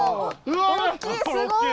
わすごい。